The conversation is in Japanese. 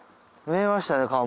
見えましたね